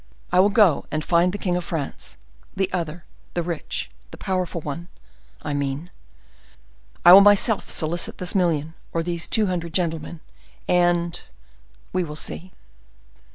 I will go and find the king of France—the other—the rich, the powerful one, I mean. I will myself solicit this million, or these two hundred gentlemen; and—we will see."